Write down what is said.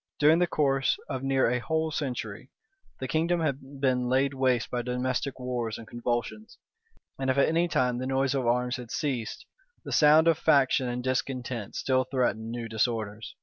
* Bacon, p. 579. Polyd. Virg. p. 565. During the course of near a whole century, the kingdom had been laid waste by domestic wars and convulsions; and if at any time the noise of arms had ceased, the sound of faction and discontent still threatened new disorders.